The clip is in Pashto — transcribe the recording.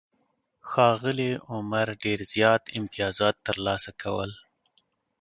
ښاغلي عمر ډېر زیات امتیازات ترلاسه کول.